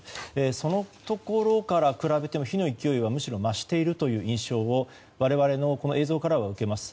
そのところから比べても火の勢いはむしろ増している印象をこの映像からは受けます。